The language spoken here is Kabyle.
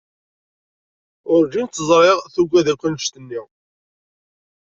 Urǧin tt-ẓriɣ tuggad akk anect-nni.